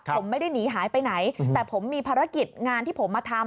ผมไม่ได้หนีหายไปไหนแต่ผมมีภารกิจงานที่ผมมาทำ